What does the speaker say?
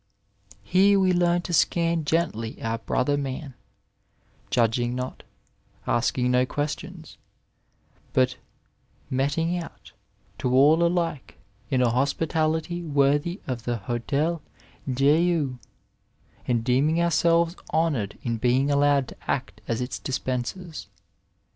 Here, we learn to scan gently our brother man, judging not, asking no questions, but meting out to all alike a hospitality worthy of the Hotd Dieu, and deeming ourselves honoured in being allowed to act as its dispensers.